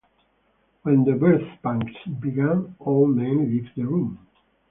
When the birth-pangs begin, all men leave the room.